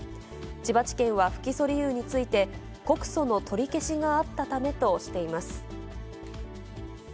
千葉地検は不起訴理由について、告訴の取り消しがあったためとしています。